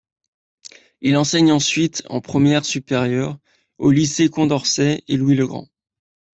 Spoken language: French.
Il enseigne ensuite en première supérieure aux lycées Condorcet et Louis-le-Grand.